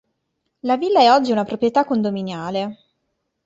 La villa è oggi una proprietà condominiale.